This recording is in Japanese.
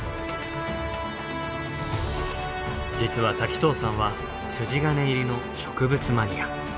実は滝藤さんは筋金入りの植物マニア。